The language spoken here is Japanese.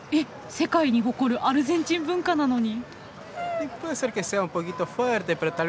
世界に誇るアルゼンチン文化なのに。